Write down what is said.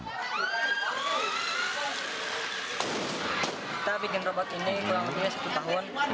kita bikin robot ini mulai setahun